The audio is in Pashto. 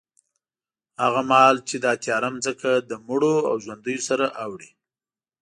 هغه مهال چې دا تیاره ځمکه له مړو او ژوندیو سره اوړي،